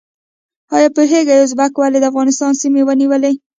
ایا پوهیږئ ازبکو ولې د افغانستان سیمې ونیولې؟